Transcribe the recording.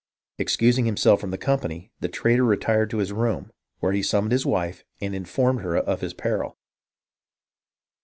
Excusing himself from the company, the traitor retired to his room, where he summoned his wife and informed her of his peril.